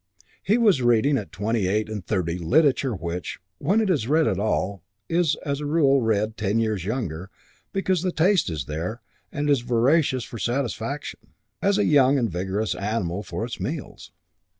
He was reading at twenty eight and thirty literature which, when it is read at all, is as a rule read ten years younger because the taste is there and is voracious for satisfaction, as a young and vigorous animal for its meals.